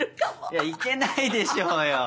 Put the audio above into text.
いやいけないでしょうよ！